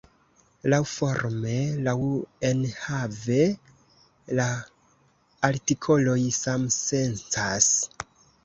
Laŭforme, laŭenhave, la artikoloj samsencas.